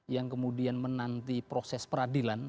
yang kemudian menanti proses peradilan